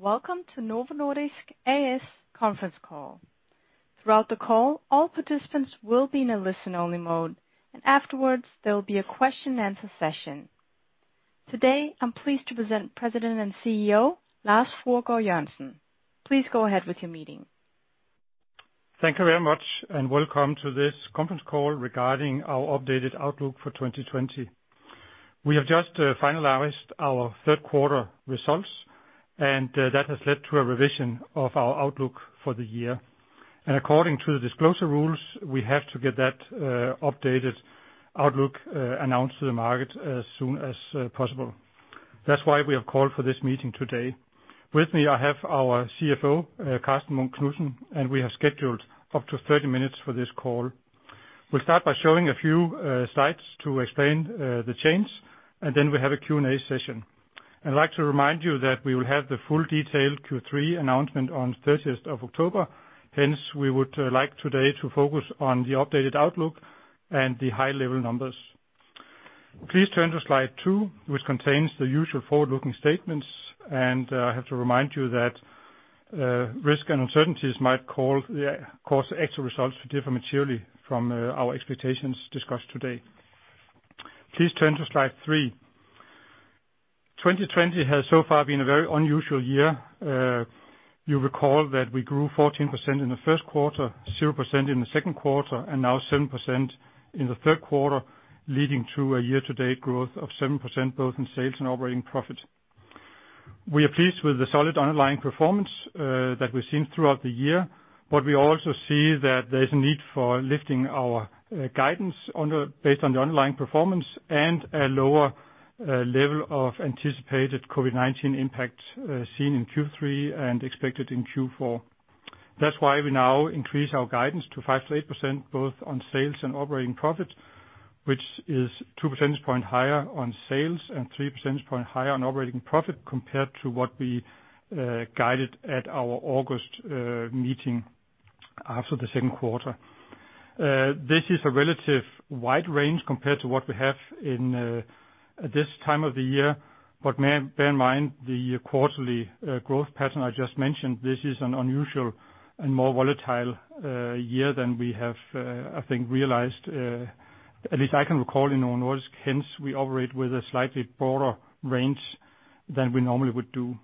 Welcome to Novo Nordisk A/S conference call. Throughout the call, all participants will be in a listen-only mode, and afterwards, there will be a question-and-answer session. Today, I'm pleased to present President and CEO, Lars Fruergaard Jørgensen. Please go ahead with your meeting. Thank you very much. Welcome to this conference call regarding our updated outlook for 2020. We have just finalized our third quarter results. That has led to a revision of our outlook for the year. According to the disclosure rules, we have to get that updated outlook announced to the market as soon as possible. That's why we have called for this meeting today. With me, I have our CFO, Karsten Munk Knudsen. We have scheduled up to 30 minutes for this call. We'll start by showing a few slides to explain the change. Then we'll have a Q&A session. I'd like to remind you that we will have the full detailed Q3 announcement on 30th of October. Hence, we would like today to focus on the updated outlook and the high-level numbers. Please turn to slide two, which contains the usual forward-looking statements, and I have to remind you that risks and uncertainties might cause the actual results to differ materially from our expectations discussed today. Please turn to slide three. 2020 has so far been a very unusual year. You'll recall that we grew 14% in the first quarter, 0% in the second quarter, and now 7% in the third quarter, leading to a year-to-date growth of 7% both in sales and operating profit. We also see that there's a need for lifting our guidance based on the underlying performance and a lower level of anticipated COVID-19 impact seen in Q3 and expected in Q4. That's why we now increase our guidance to 5%-8% both on sales and operating profit, which is two percentage point higher on sales and three percentage point higher on operating profit compared to what we guided at our August meeting after the second quarter. This is a relative wide range compared to what we have at this time of the year, but bear in mind the quarterly growth pattern I just mentioned. This is an unusual and more volatile year than we have, I think, realized, at least I can recall in Novo Nordisk. Hence, we operate with a slightly broader range than we normally would do.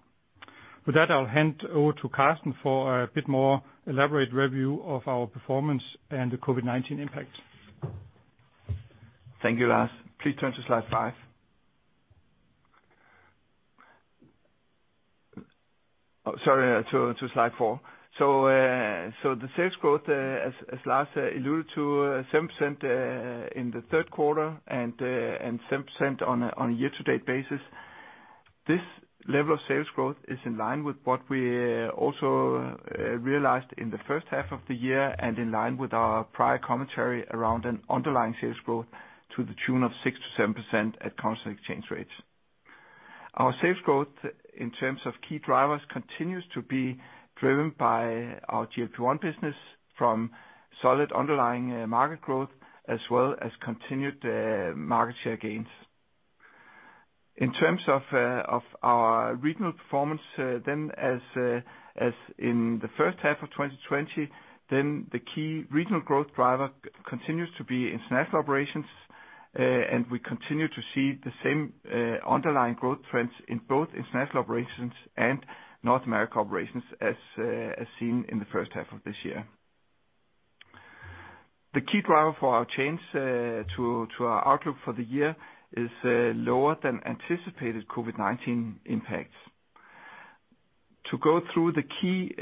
With that, I'll hand over to Karsten for a bit more elaborate review of our performance and the COVID-19 impact. Thank you, Lars. Please turn to slide five. Oh, sorry, to slide four. The sales growth as Lars alluded to, 7% in the third quarter and 7% on a year-to-date basis. This level of sales growth is in line with what we also realized in the first half of the year and in line with our prior commentary around an underlying sales growth to the tune of 6%-7% at constant exchange rates. Our sales growth in terms of key drivers continues to be driven by our GLP-1 business from solid underlying market growth as well as continued market share gains. In terms of our regional performance then as in the first half of 2020, then the key regional growth driver continues to be international operations, and we continue to see the same underlying growth trends in both international operations and North American operations as seen in the first half of this year. The key driver for our change to our outlook for the year is lower than anticipated COVID-19 impacts. To go through the key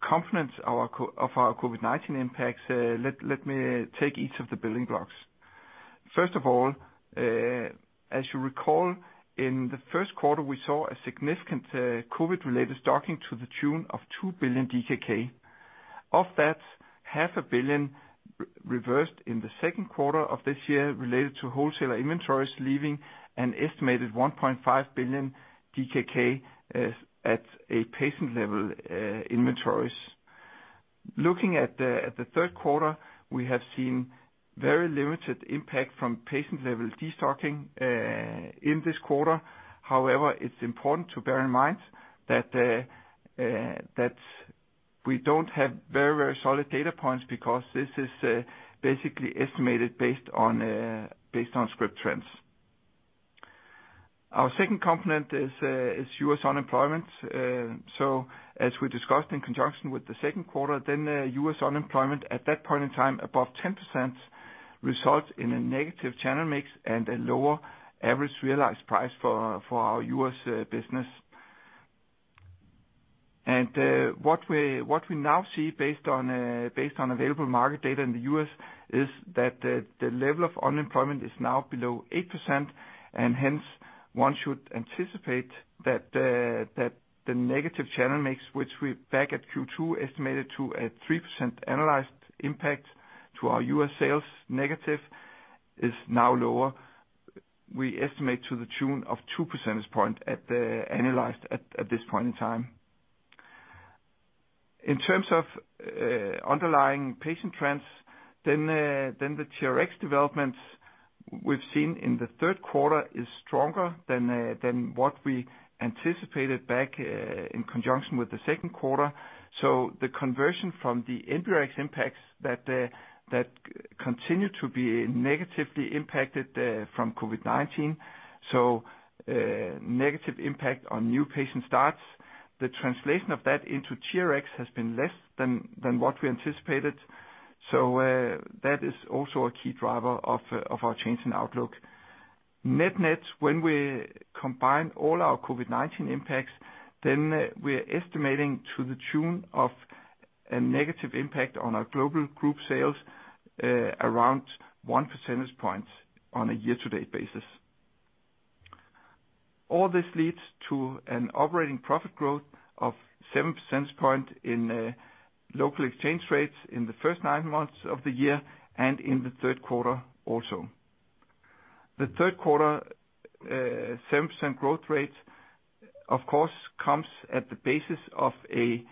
components of our COVID-19 impacts, let me take each of the building blocks. First of all, as you recall, in the first quarter, we saw a significant COVID-related stocking to the tune of 2 billion DKK. Of that, half a billion DKK reversed in the second quarter of this year related to wholesaler inventories, leaving an estimated 1.5 billion DKK at a patient-level inventories. Looking at the third quarter, we have seen very limited impact from patient-level destocking in this quarter. However, it's important to bear in mind that we don't have very solid data points because this is basically estimated based on script trends. Our second component is U.S. unemployment. As we discussed in conjunction with the second quarter, then U.S. unemployment at that point in time above 10% results in a negative channel mix and a lower average realized price for our U.S. business. What we now see based on available market data in the U.S. is that the level of unemployment is now below 8%, and hence, one should anticipate that the negative channel mix, which we back at Q2 estimated to a 3% annualized impact to our U.S. sales negative, is now lower. We estimate to the tune of two percentage point annualized at this point in time. In terms of underlying patient trends, then the TRX developments we've seen in the third quarter is stronger than what we anticipated back in conjunction with the second quarter. The conversion from the NBRx impacts that continue to be negatively impacted from COVID-19, so negative impact on new patient starts. The translation of that into TRX has been less than what we anticipated. That is also a key driver of our change in outlook. Net-net, when we combine all our COVID-19 impacts, then we're estimating to the tune of a negative impact on our global group sales, around one percentage point on a year-to-date basis. All this leads to an operating profit growth of seven percentage point in local exchange rates in the first nine months of the year and in the third quarter also. The third quarter 7% growth rate, of course, comes at the basis of a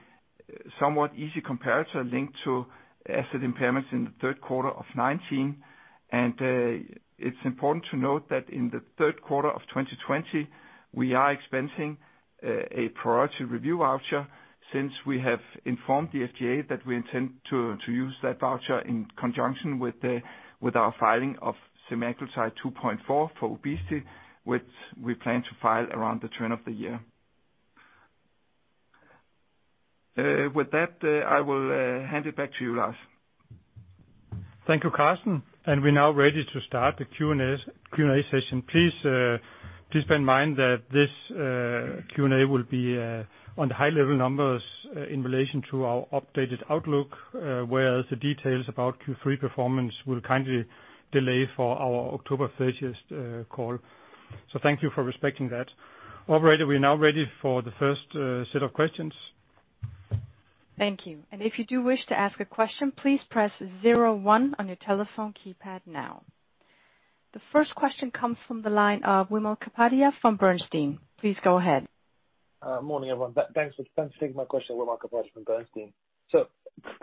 somewhat easy comparator linked to asset impairments in the third quarter of 2019. It's important to note that in the third quarter of 2020, we are expensing a priority review voucher since we have informed the FDA that we intend to use that voucher in conjunction with our filing of semaglutide 2.4 for obesity, which we plan to file around the turn of the year. With that, I will hand it back to you, Lars. Thank you, Karsten. We're now ready to start the Q&A session. Please bear in mind that this Q&A will be on the high-level numbers in relation to our updated outlook, whereas the details about Q3 performance will kindly delay for our October 30th call. Thank you for respecting that. Operator, we're now ready for the first set of questions. Thank you. If you do wish to ask a question, please press zero one on your telephone keypad now. The first question comes from the line of Wimal Kapadia from Bernstein. Please go ahead. Morning, everyone. Thanks for taking my question. Wimal Kapadia from Bernstein. Could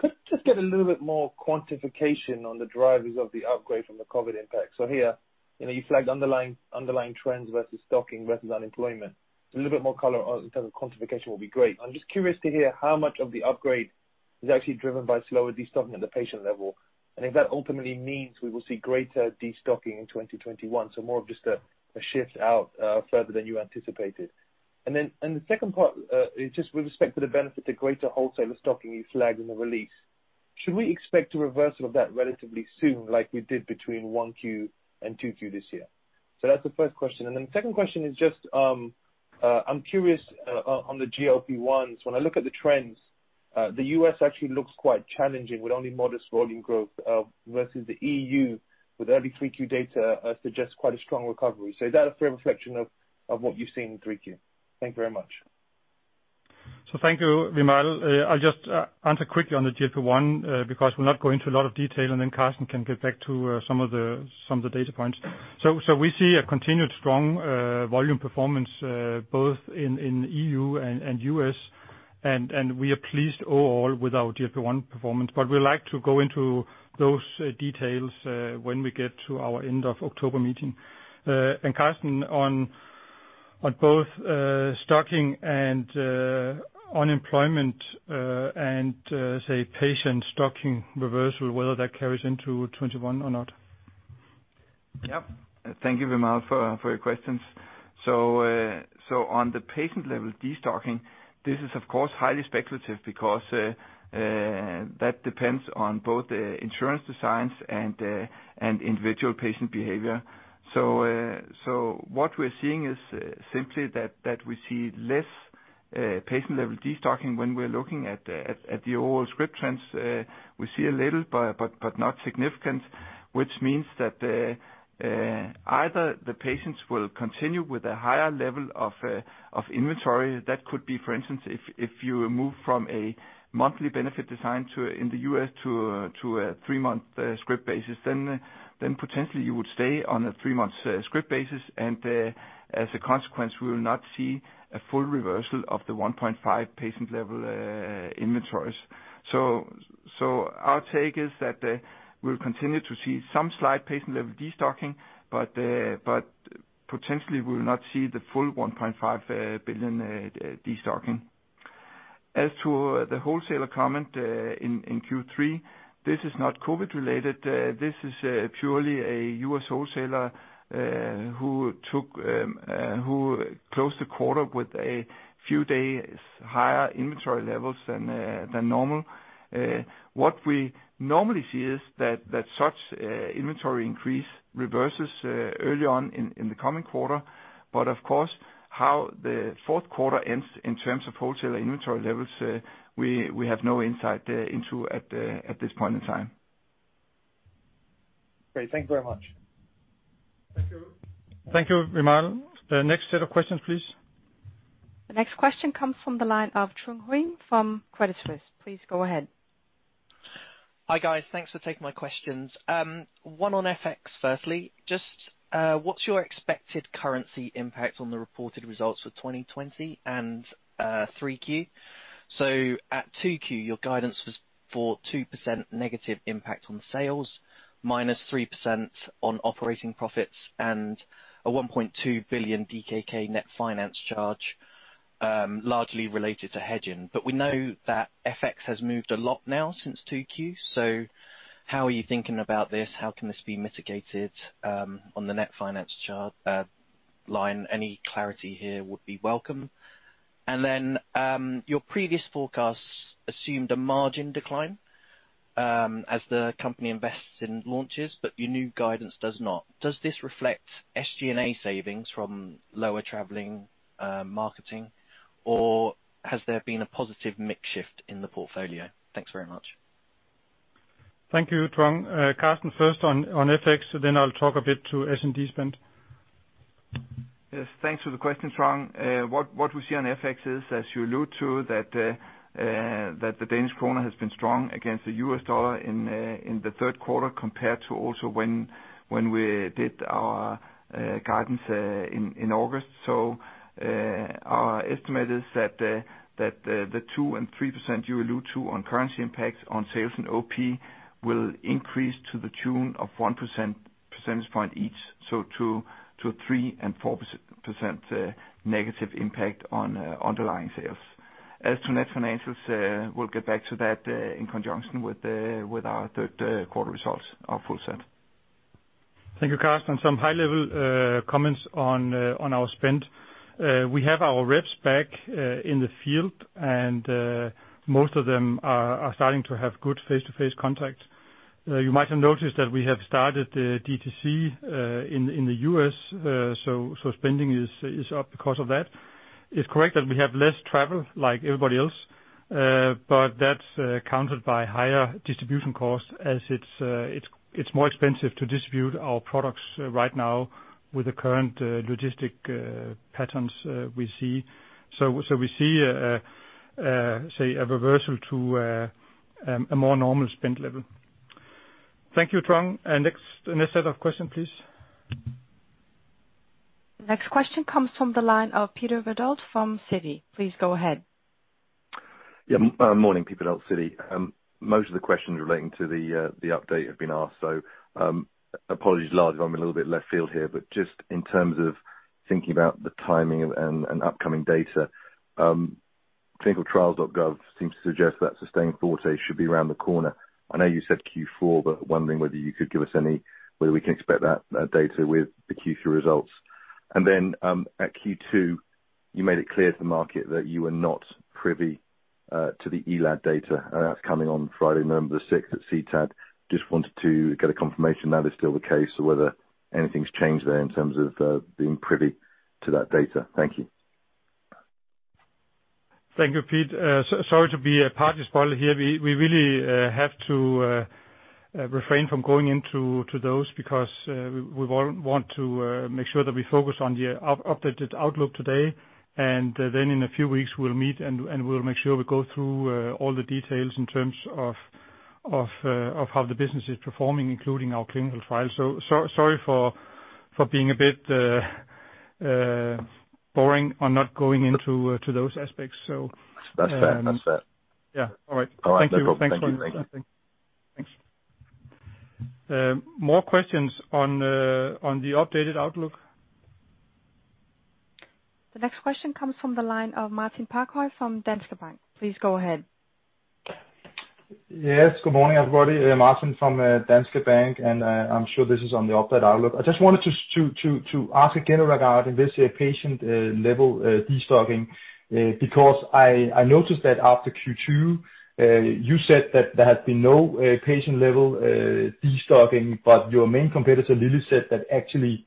I just get a little bit more quantification on the drivers of the upgrade from the COVID impact? Here, you flagged underlying trends versus stocking versus unemployment. A little bit more color in terms of quantification will be great. I'm just curious to hear how much of the upgrade is actually driven by slower destocking at the patient level, and if that ultimately means we will see greater destocking in 2021, so more of just a shift out further than you anticipated. The second part, just with respect to the benefit of greater wholesaler stocking you flagged in the release, should we expect a reversal of that relatively soon like we did between 1Q and 2Q this year? That's the first question. The second question is just, I’m curious on the GLP-1s. When I look at the trends, the U.S. actually looks quite challenging with only modest volume growth versus the EU with early 3Q data suggests quite a strong recovery. Is that a fair reflection of what you’re seeing in 3Q? Thank you very much. Thank you, Wimal. I'll just answer quickly on the GLP-1 because we'll not go into a lot of detail and then Karsten can get back to some of the data points. We see a continued strong volume performance both in EU and U.S., and we are pleased overall with our GLP-1 performance. We like to go into those details when we get to our end of October meeting. Karsten, on both stocking and unemployment and say, patient stocking reversal, whether that carries into 2021 or not. Yeah. Thank you, Wimal, for your questions. On the patient-level destocking, this is of course highly speculative because that depends on both the insurance designs and individual patient behavior. What we're seeing is simply that we see less patient-level destocking when we're looking at the overall script trends. We see a little, but not significant, which means that either the patients will continue with a higher level of inventory. That could be, for instance, if you move from a monthly benefit design in the U.S. to a three-month script basis, then potentially you would stay on a three-months script basis, and as a consequence, we will not see a full reversal of the 1.5 patient-level inventories. Our take is that we'll continue to see some slight patient-level destocking, but potentially we'll not see the full 1.5 billion destocking. As to the wholesaler comment in Q3, this is not COVID-19 related. This is purely a U.S. wholesaler who closed the quarter with a few days higher inventory levels than normal. What we normally see is that such inventory increase reverses earlier on in the current quarter but of course, how the fourth quarter ends in terms of wholesaler inventory levels, we have no insight into at this point in time. Great. Thank you very much. Thank you. Thank you, Wimal. The next set of questions, please. The next question comes from the line of Truong Nguyen from Credit Suisse. Please go ahead. Hi guys. Thanks for taking my questions. One on FX firstly. Just what's your expected currency impact on the reported results for 2020 and 3Q? At 2Q, your guidance was for 2% negative impact on sales, -3% on operating profits and a 1.2 billion DKK net finance charge, largely related to hedging. We know that FX has moved a lot now since 2Q, how are you thinking about this? How can this be mitigated on the net finance line? Any clarity here would be welcome. Your previous forecasts assumed a margin decline as the company invests in launches, your new guidance does not. Does this reflect SG&A savings from lower traveling, marketing, or has there been a positive mix shift in the portfolio? Thanks very much. Thank you, Truong. Karsten first on FX, then I'll talk a bit to S&D spend. Yes, thanks for the question, Truong. What we see on FX is, as you allude to, that the Danish kroner has been strong against the US dollar in the third quarter compared to also when we did our guidance in August. Our estimate is that the 2% and 3% you allude to on currency impacts on sales and OP will increase to the tune of one percentage point each, 2%-3% and 4% negative impact on underlying sales. As to net financials, we'll get back to that, in conjunction with our third quarter results, our full set. Thank you, Karsten. Some high-level comments on our spend. We have our reps back in the field, and most of them are starting to have good face-to-face contact. You might have noticed that we have started DTC in the U.S., so spending is up because of that. It's correct that we have less travel like everybody else. That's countered by higher distribution costs as it's more expensive to distribute our products right now with the current logistic patterns we see. We see, say, a reversal to a more normal spend level. Thank you, Truong. Next set of question, please. Next question comes from the line of Peter Verdult from Citi. Please go ahead. Yeah. Morning, Peter Verdult, Citi. Most of the questions relating to the update have been asked, so apologies, Lars, if I'm a little bit left field here. Just in terms of thinking about the timing and upcoming data. clinicaltrials.gov seems to suggest that SUSTAIN FORTE should be around the corner. I know you said Q4, but wondering whether you could give us any, whether we can expect that data with the Q3 results. Then, at Q2, you made it clear to the market that you were not privy to the ELAD data, and that's coming on Friday, November 6 at CTAD. Just wanted to get a confirmation that is still the case, or whether anything's changed there in terms of being privy to that data. Thank you. Thank you, Pete. Sorry to be a party spoiler here. We really have to refrain from going into those because we want to make sure that we focus on the updated outlook today, and then in a few weeks, we'll meet and we'll make sure we go through all the details in terms of how the business is performing, including our clinical files. Sorry for being a bit boring on not going into those aspects. That's fair. Yeah. All right. All right. Thank you. Thanks for that. Thank you. More questions on the updated outlook? The next question comes from the line of Martin Parkhøi from Danske Bank. Please go ahead. Yes, good morning, everybody. Martin from Danske Bank. I'm sure this is on the updated outlook. I just wanted to ask again regarding this patient-level destocking, because I noticed that after Q2, you said that there had been no patient-level destocking, but your main competitor, Lilly, said that actually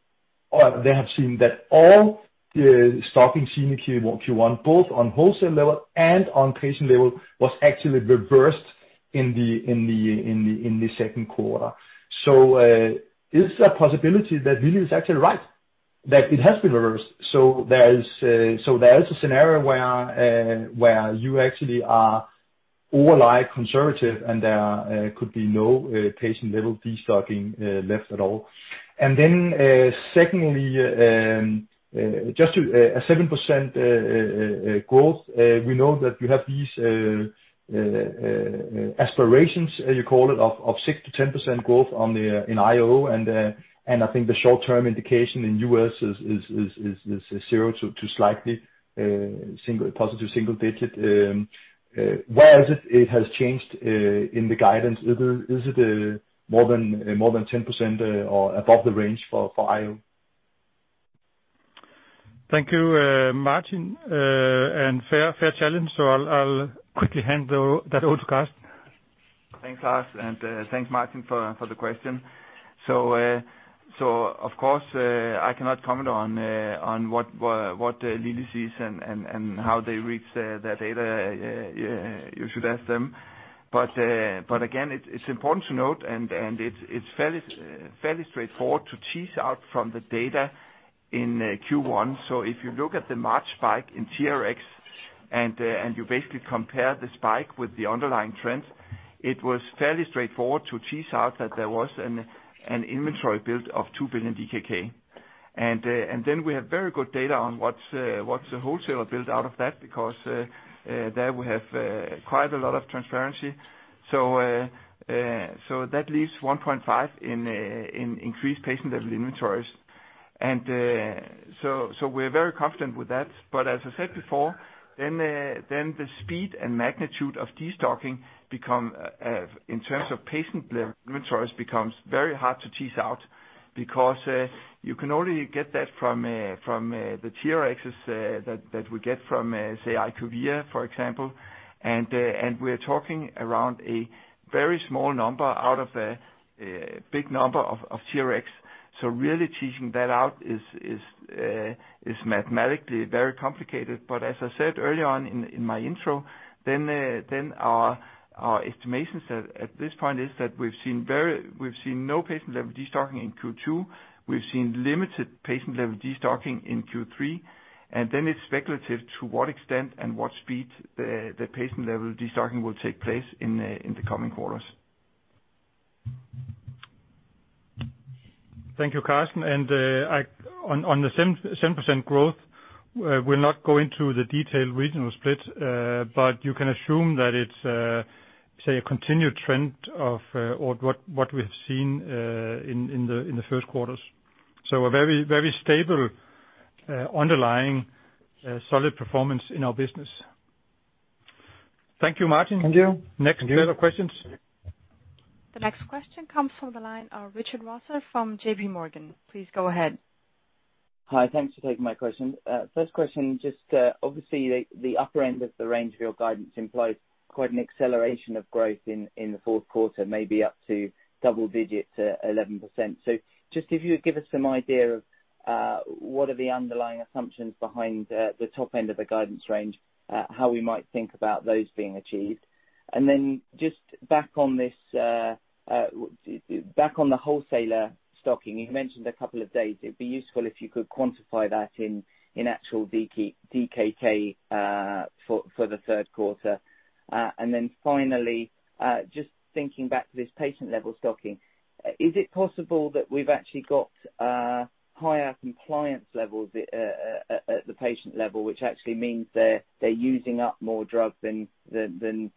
they have seen that all the stocking seen in Q1, both on wholesale level and on patient level, was actually reversed in the second quarter. Is there a possibility that Lilly is actually right, that it has been reversed? There is a scenario where you actually are overly conservative, and there could be no patient-level destocking left at all. Secondly, just a 7% growth. We know that you have these aspirations, as you call it, of 6%-10% growth in IO and I think the short-term indication in U.S. is zero to slightly positive single-digit. Where is it? It has changed in the guidance. Is it more than 10% or above the range for IO? Thank you, Martin. Fair challenge. I'll quickly hand that over to Karsten. Thanks, Lars, and thanks, Martin, for the question. Of course, I cannot comment on what Lilly sees and how they reach their data. You should ask them. Again, it's important to note, and it's fairly straightforward to tease out from the data in Q1. If you look at the March spike in TRxs, and you basically compare the spike with the underlying trends, it was fairly straightforward to tease out that there was an inventory build of 2 billion DKK. We have very good data on what the wholesaler built out of that, because there we have quite a lot of transparency. That leaves 1.5 billion in increased patient-level inventories. We're very confident with that. As I said before, the speed and magnitude of de-stocking, in terms of patient-level inventories, becomes very hard to tease out because you can only get that from the TRxs that we get from, say, IQVIA, for example. We're talking around a very small number out of a big number of TRx. Really teasing that out is mathematically very complicated. As I said early on in my intro, our estimations at this point is that we've seen no patient-level de-stocking in Q2. We've seen limited patient-level de-stocking in Q3, it's speculative to what extent and what speed the patient-level de-stocking will take place in the coming quarters. Thank you, Karsten. On the 7% growth, we'll not go into the detailed regional split, but you can assume that it's a continued trend of what we have seen in the first quarters. A very stable, underlying solid performance in our business. Thank you, Martin. Thank you. Next set of questions. The next question comes from the line of Richard Vosser from JP Morgan. Please go ahead. Hi. Thanks for taking my question. First question, just obviously the upper end of the range of your guidance implies quite an acceleration of growth in the fourth quarter, maybe up to double digits at 11%. Just if you would give us some idea of what are the underlying assumptions behind the top end of the guidance range, how we might think about those being achieved. Just back on the wholesaler stocking, you mentioned a couple of days, it would be useful if you could quantify that in actual DKK for the third quarter. Finally, just thinking back to this patient-level stocking, is it possible that we've actually got higher compliance levels at the patient level, which actually means they're using up more drug than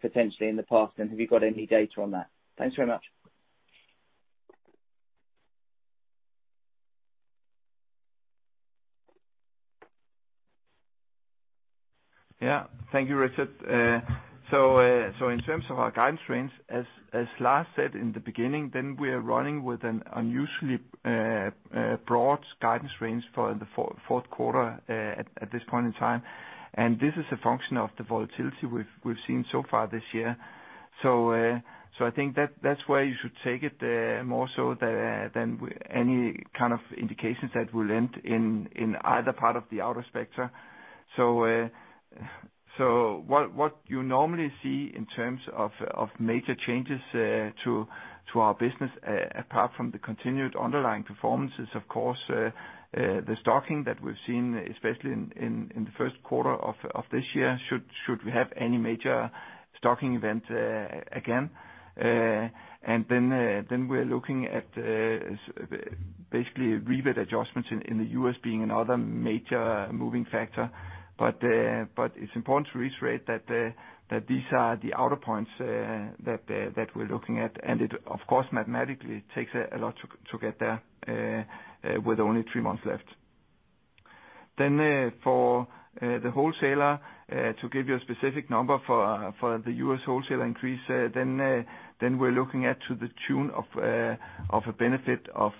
potentially in the past? Have you got any data on that? Thanks very much. Yeah. Thank you, Richard. In terms of our guidance range, as Lars said in the beginning, we are running with an unusually broad guidance range for the fourth quarter at this point in time. This is a function of the volatility we've seen so far this year. I think that's where you should take it more so than any kind of indications that we'll end in either part of the outer spectra. What you normally see in terms of major changes to our business, apart from the continued underlying performance, is of course, the stocking that we've seen, especially in the first quarter of this year, should we have any major stocking event again. We're looking at basically rebate adjustments in the U.S. being another major moving factor. It's important to reiterate that these are the outer points that we're looking at, and it of course, mathematically takes a lot to get there with only three months left. For the wholesaler, to give you a specific number for the U.S. wholesaler increase, we're looking at to the tune of a benefit of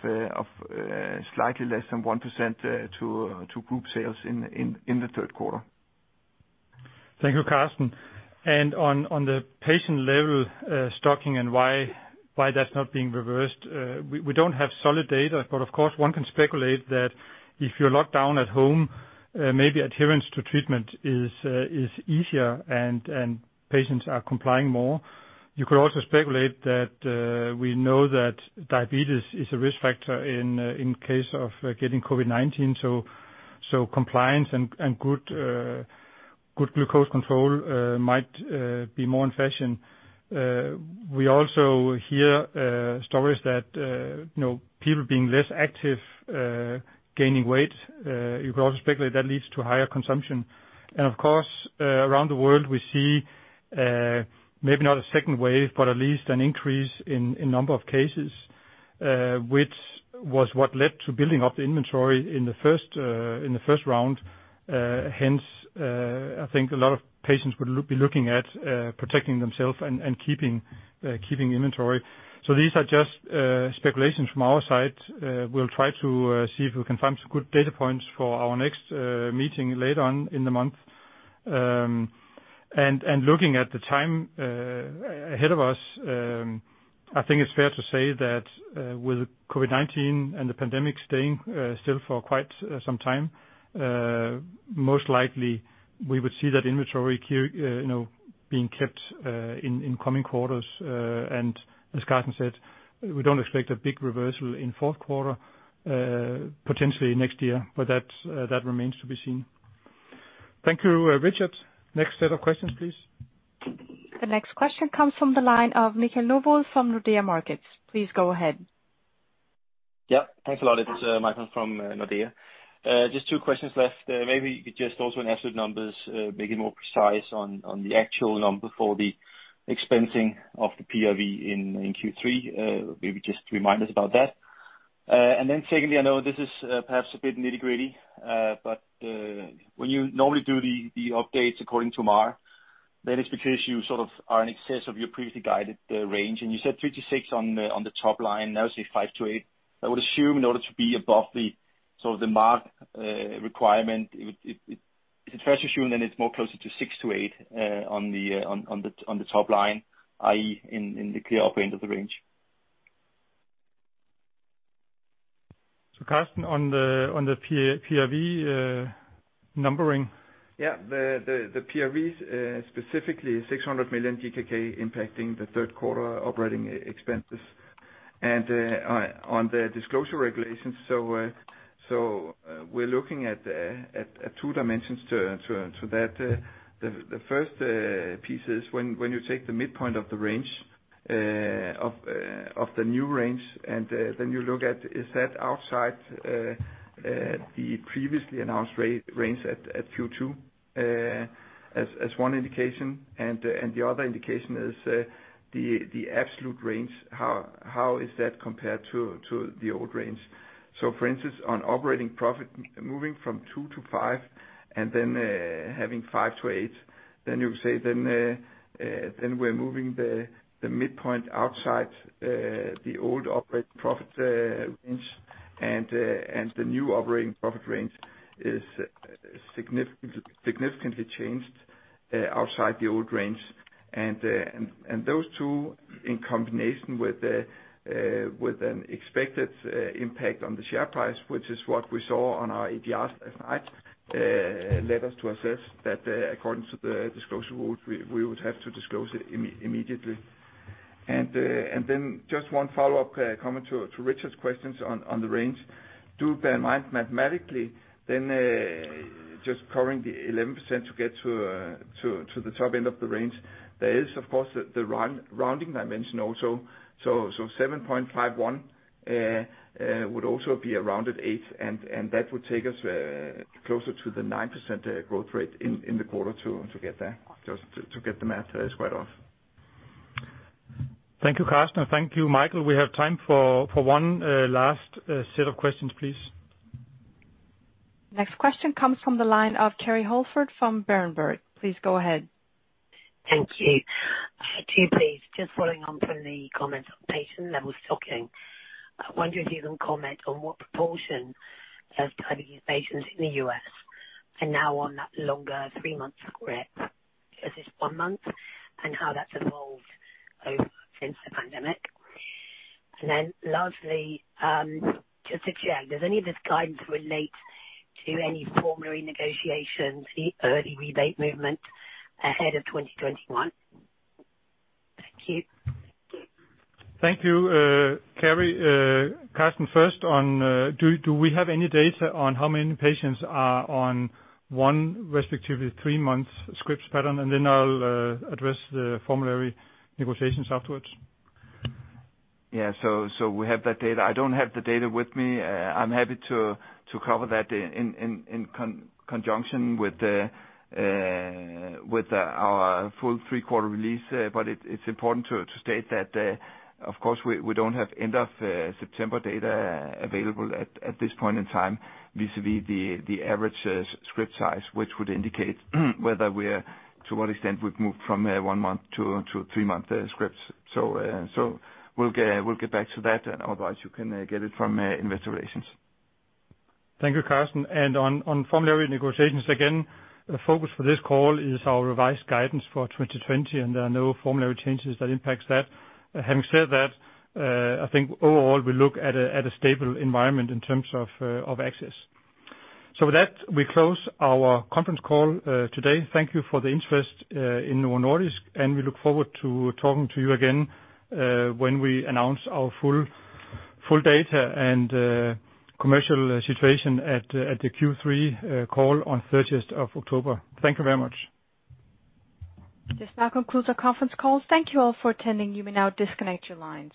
slightly less than 1% to group sales in the third quarter. Thank you, Karsten. On the patient level stocking and why that's not being reversed, we don't have solid data, but of course, one can speculate that if you're locked down at home, maybe adherence to treatment is easier and patients are complying more. You could also speculate that we know that diabetes is a risk factor in case of getting COVID-19, so compliance and good glucose control might be more in fashion. We also hear stories that people being less active, gaining weight, you could also speculate that leads to higher consumption. Of course, around the world, we see maybe not a second wave, but at least an increase in number of cases, which was what led to building up the inventory in the first round. Hence, I think a lot of patients would be looking at protecting themselves and keeping inventory. These are just speculations from our side. We'll try to see if we can find some good data points for our next meeting later on in the month. Looking at the time ahead of us, I think it's fair to say that with COVID-19 and the pandemic staying still for quite some time, most likely we would see that inventory being kept in coming quarters. As Karsten said, we don't expect a big reversal in fourth quarter, potentially next year, but that remains to be seen. Thank you, Richard. Next set of questions, please. The next question comes from the line of Michael Novod from Nordea Markets. Please go ahead. Yeah. Thanks a lot. It's Michael from Nordea. Just two questions left. Maybe you could just also in absolute numbers, make it more precise on the actual number for the expensing of the PRV in Q3. Maybe just remind us about that. Secondly, I know this is perhaps a bit nitty-gritty, but when you normally do the updates according to MAR, that is because you sort of are in excess of your previously guided range, and you said 5%-6% on the top line, now say 5%-8%. I would assume in order to be above the MAR requirement, is it fair to assume then it's more closer to 6%-8% on the top line, i.e., in the clear upper end of the range? Karsten, on the PRV numbering. Yeah. The PRVs, specifically 600 million impacting the third quarter operating expenses. On the disclosure regulations, we're looking at two dimensions to that. The first piece is when you take the midpoint of the new range and then you look at, is that outside the previously announced range at Q2 as one indication and the other indication is the absolute range, how is that compared to the old range? For instance, on operating profit, moving from 2% to 5% and then having 5% to 8%, then you say, then we're moving the midpoint outside the old operating profit range. The new operating profit range is significantly changed outside the old range. Those two in combination with an expected impact on the share price, which is what we saw on our ADRs last night, led us to assess that according to the disclosure rule, we would have to disclose it immediately. Just one follow-up comment to Richard's questions on the range. Do bear in mind mathematically, just covering the 11% to get to the top end of the range, there is of course the rounding dimension also. 7.51% would also be a rounded 8%, and that would take us closer to the 9% growth rate in the quarter to get there, just to get the math square off. Thank you, Karsten. Thank you, Michael. We have time for one last set of questions, please. Next question comes from the line of Kerry Holford from Berenberg. Please go ahead. Thank you. Two please. Just following on from the comments on patient-level stocking. I wonder if you can comment on what proportion of diabetes patients in the U.S. are now on that longer three-month script versus one month, and how that's evolved since the pandemic. Lastly, just to check, does any of this guidance relate to any formulary negotiations, the early rebate movement ahead of 2021? Thank you. Thank you, Kerry. Karsten, first on, do we have any data on how many patients are on one respectively three months scripts pattern? I'll address the formulary negotiations afterwards. Yeah. We have that data. I don't have the data with me. I'm happy to cover that in conjunction with our full three-quarter release. It's important to state that of course we don't have end of September data available at this point in time vis-a-vis the average script size, which would indicate whether we're, to what extent we've moved from a one-month to a three-month script. We'll get back to that, otherwise you can get it from Investor Relations. Thank you, Karsten. On formulary negotiations, again, the focus for this call is our revised guidance for 2020, and there are no formulary changes that impact that. Having said that, I think overall, we look at a stable environment in terms of access. With that, we close our conference call today. Thank you for the interest in Novo Nordisk, and we look forward to talking to you again when we announce our full data and commercial situation at the Q3 call on 30th of October. Thank you very much. This now concludes our conference call. Thank you all for attending. You may now disconnect your lines.